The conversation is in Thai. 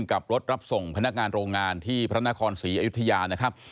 กับรถรับส่งพนักงานโรงงานที่พระนครศรีอยุธยานะครับ